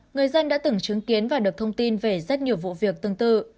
người dân đã từng chứng kiến và được thông tin về rất nhiều vụ việc tương tự